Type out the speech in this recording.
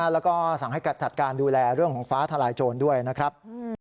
แล้วก็สั่งให้จัดการดูแลเรื่องของฟ้าทลายโจรด้วยนะครับ